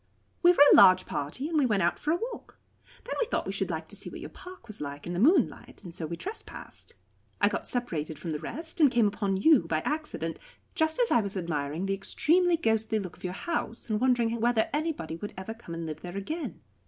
"We were a large party, and we went out for a walk. Then we thought we should like to see what your park was like in the moonlight, and so we trespassed. I got separated from the rest, and came upon you by accident, just as I was admiring the extremely ghostly look of your house, and wondering whether anybody would ever come and live there again.